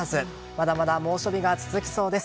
まだまだ猛暑日が続きそうです。